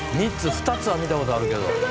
２つは見た事あるけど。